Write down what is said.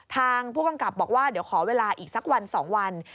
ทางผู้กำกับบอกว่าเดี๋ยวขอเวลาอีกสักวัน๒วัน